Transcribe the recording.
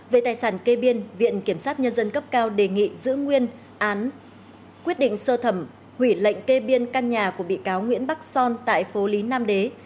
về tài sản kê biên viện kiểm sát nhân dân cấp cao đề nghị giữ nguyên quyết định sơ thẩm hủy lệnh kê biên căn nhà của bị cáo nguyễn bắc son tại phố lý nam đế